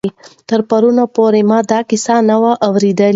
تر پرون پورې مې دا کیسه نه وه اورېدلې.